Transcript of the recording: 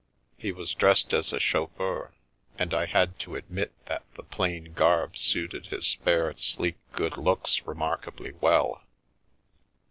He was dressed as a chauffeur, and I had to admit that the plain garb suited his fair, sleek good looks remark ably well.